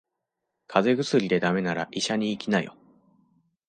風邪薬で駄目なら医者に行きなよ。